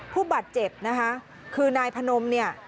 ผู้บาดเจ็บนะคะคือนายพนมเนี่ย